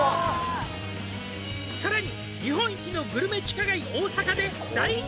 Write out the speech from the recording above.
「さらに」